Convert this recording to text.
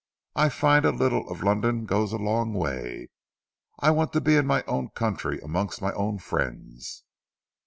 "I find a little of London goes a long way. I want to be in my own country amongst my own friends."